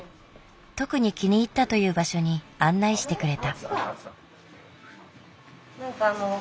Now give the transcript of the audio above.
特に気に入ったという場所に案内してくれた。